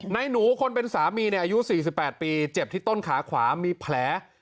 นายหนูคนเป็นสามีนี่อายุสี่สิบแปดปีเจ็บที่ต้นขาขวามีแผล